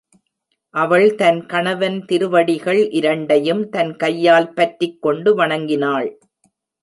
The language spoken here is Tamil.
அவள் தன் கணவன் திருவடிகள் இரண்டையும் தன் கையால் பற்றிக் கொண்டு வணங்கினாள்.